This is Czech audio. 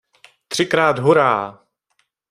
Třikrát hurá!!!